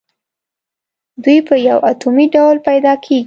دوی په یو اتومي ډول پیداکیږي.